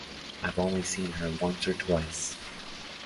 I've only seen her once or twice.